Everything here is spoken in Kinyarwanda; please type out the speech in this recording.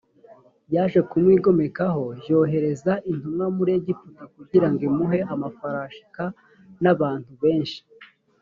yaje kumwigomekaho j yohereza intumwa muri egiputa kugira ngo imuhe amafarashi k n abantu benshi